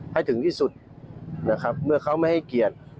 ให้ถึงที่สุดนะครับเมื่อเขาไม่ให้เกียรติ